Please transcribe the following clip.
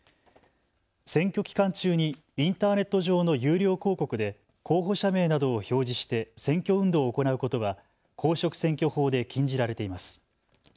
選挙期間中にインターネット上の有料広告で候補者名などを表示して選挙運動を行うことは公職選挙法で禁じられています。